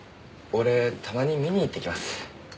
俺たまに見に行ってきます。